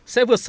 sẽ vượt xa